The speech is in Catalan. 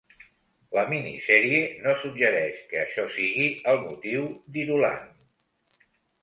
La minisèrie no suggereix que això sigui el motiu d'Irulan.